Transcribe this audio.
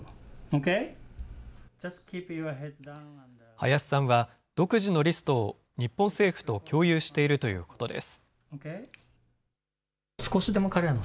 林さんは、独自のリストを日本政府と共有しているということです。